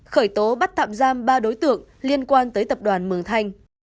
khởi tố bắt tạm giam ba đối tượng liên quan tới tập đoàn mường thanh